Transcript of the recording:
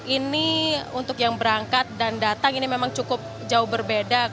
ini untuk yang berangkat dan datang ini memang cukup jauh berbeda